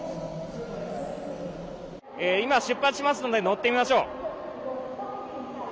今、出発しますので乗ってみましょう。